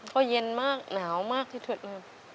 เพราะเย็นมากหนาวมากที่ทุกวัน